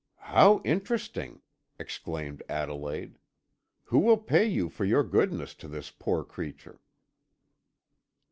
"How interesting!" exclaimed Adelaide. "Who will pay you for your goodness to this poor creature?"